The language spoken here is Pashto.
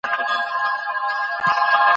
څنګه له کورنیو څارویو سره وخت تېرول فشار کموي؟